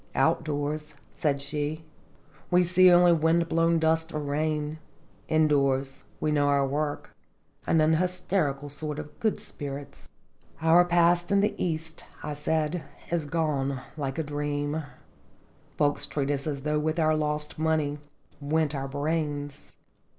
"Outdoors," said she, "we see only wind blown dust or rain; indoors, we know our work, and an hysterical sort of good spirits." "Our past in the East," I said, "is gone like a dream; folks treat us as though with our lost money went our brains."